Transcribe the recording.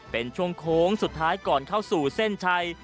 เป็นช่วงโค้งสุดท้ายก่อนเข้าสู่เส้นชัย